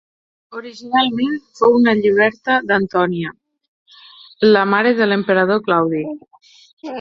Originalment fou una lliberta d'Antònia, la mare de l'emperador Claudi.